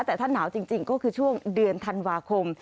แต่ถ้าหนาวจริงก็คือช่วงเดือนธันวาคม